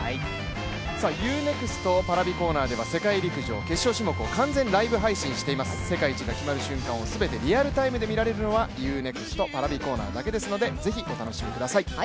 Ｕ−ＮＥＸＴＰａｒａｖｉコーナーでは世界陸上決勝種目を完全ライブ配信しています、世界一が決まる瞬間を全てリアルタイムでみられるのはＵ−ＮＥＸＴＰａｒａｖｉコーナーだけですので、ぜひお楽しみください。